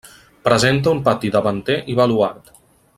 Presenta un pati davanter i baluard.